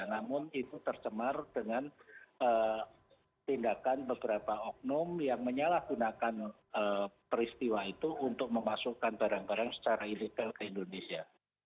namun itu tercemar dengan tindakan beberapa oknum yang menyalahgunakan peristiwa itu untuk memasukkan barang barang secara ilegal ke indonesia